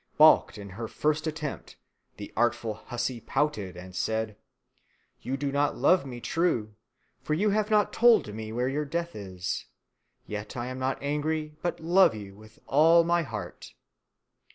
Balked in her first attempt, the artful hussy pouted and said, "You do not love me true, for you have not told me where your death is; yet I am not angry, but love you with all my heart."